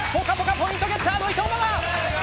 ポイントゲッターの伊藤ママ。